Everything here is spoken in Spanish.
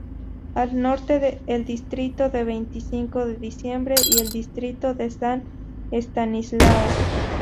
Al norte el distrito de Veinticinco de diciembre y el distrito de San Estanislao.